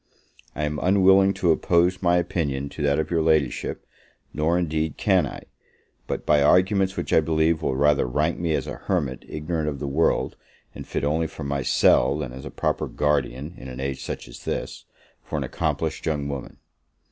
I am unwilling to oppose my opinion to that of your Ladyship; nor, indeed, can I, but by arguments which I believe will rather rank me as a hermit ignorant of the world, and fit only for my cell, than as a proper guardian, in an age such as this, for an accomplished young woman.